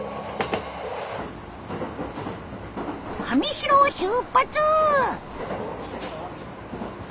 神城を出発！